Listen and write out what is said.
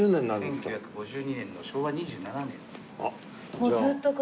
１９５２年の昭和２７年に。